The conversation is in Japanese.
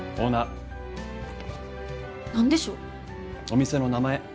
お店の名前